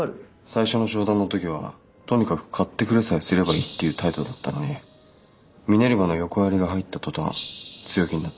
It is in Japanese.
最初の商談の時はとにかく買ってくれさえすればいいっていう態度だったのにミネルヴァの横やりが入った途端強気になった。